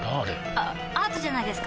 あアートじゃないですか？